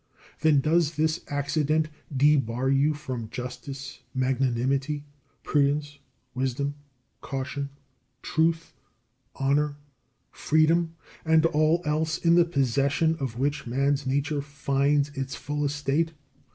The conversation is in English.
Then does this accident debar you from justice, magnanimity, prudence, wisdom, caution, truth, honour, freedom, and all else in the possession of which man's nature finds its full estate?